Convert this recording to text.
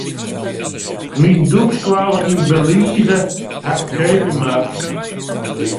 Myn dûkskoalle yn Belize haw ik ferkeapje moatten.